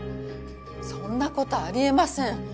そんな事あり得ません！